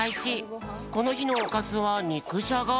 このひのおかずはにくじゃが。